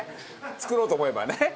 作ろうと思えばね。